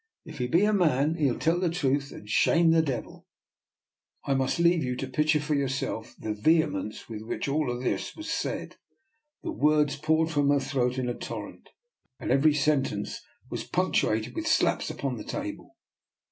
If 'ee be a man, 'ee'U tell the truth an' shame the devil." I must leave you to picture for yourself the vehemence with which all this was said. The words poured from her throat in a torrent, and every sentence was punctu ated with slaps upon the table.